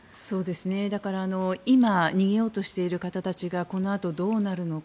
だから今逃げようとしている方たちがこのあとどうなるのか。